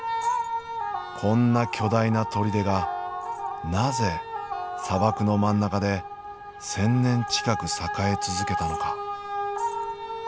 こんな巨大な砦がなぜ砂漠の真ん中で１，０００年近く栄え続けたのか。